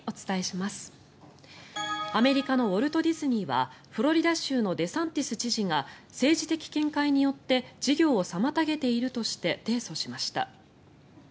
アメリカのウォルト・ディズニーはフロリダ州のデサンティス知事が政治的見解によって事業を妨げているとして提訴しました。